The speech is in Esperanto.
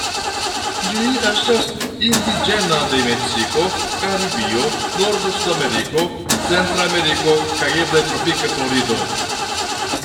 Ĝi estas indiĝena de Meksiko, Karibio, norda Sudameriko, Centrameriko kaj eble tropika Florido.